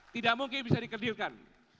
tidak mungkin bisa dikedirkan